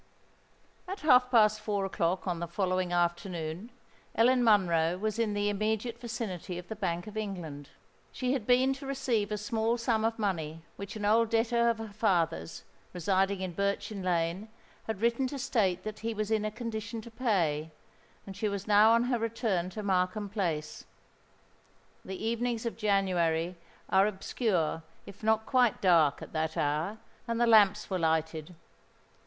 At half past four o'clock on the following afternoon, Ellen Monroe was in the immediate vicinity of the Bank of England. She had been to receive a small sum of money which an old debtor of her father's, residing in Birchin Lane, had written to state that he was in a condition to pay; and she was now on her return to Markham Place. The evenings of January are obscure, if not quite dark, at that hour; and the lamps were lighted.